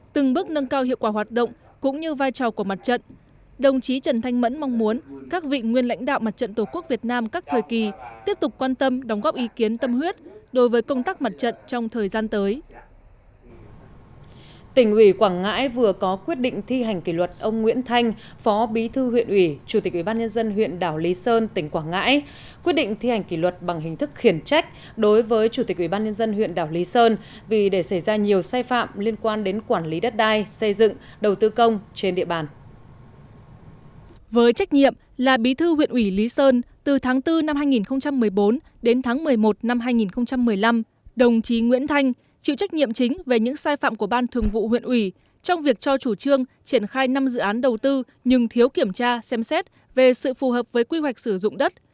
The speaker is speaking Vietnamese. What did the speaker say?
từ tháng bốn năm hai nghìn một mươi bốn đến tháng một mươi một năm hai nghìn một mươi năm đồng chí nguyễn thanh chịu trách nhiệm chính về những sai phạm của ban thường vụ huyện ủy trong việc cho chủ trương triển khai năm dự án đầu tư nhưng thiếu kiểm tra xem xét về sự phù hợp với quy hoạch sử dụng đất